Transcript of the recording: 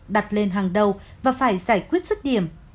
đặt lên hàng đầu và phải giải quyết xuất điểm